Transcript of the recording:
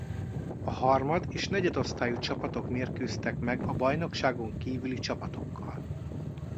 A harmad-és negyedosztályú csapatok mérkőztek meg a bajnokságon kívüli csapatokkal.